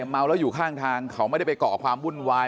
เมาแล้วอยู่ข้างทางเขาไม่ได้ไปก่อความวุ่นวาย